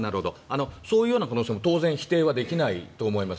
そういうような可能性も当然否定できないと思います。